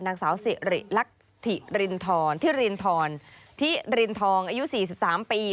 นางสาวสิริลักษิรินทรทิรินทรทิรินทองอายุ๔๓ปี